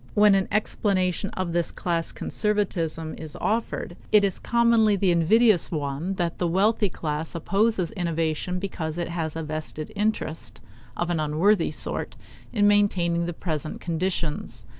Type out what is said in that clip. When an explanation of this class conservatism is offered, it is commonly the invidious one that the wealthy class opposes innovation because it has a vested interest, of an unworthy sort, in maintaining the present conditions.